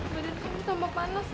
badan saya tambah panas